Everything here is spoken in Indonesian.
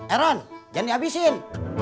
eron jangan dihabisin